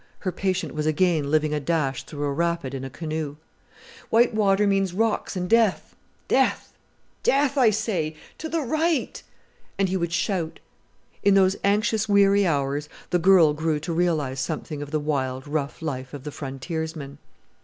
her patient was again living a dash through a rapid in a canoe. "White water means rocks and death death death, I say! To the right!" and he would shout. In those anxious weary hours the girl grew to realize something of the wild, rough life of the frontiersmen.